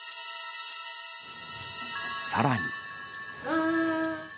さらに。